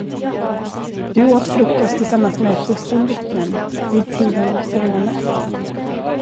Du åt frukost tillsammans med ett dussin vittnen, vid tiden för rånet.